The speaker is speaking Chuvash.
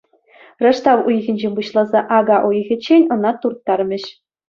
Раштав уйӑхӗнчен пуҫласа ака уйӑхӗччен ӑна турттармӗҫ.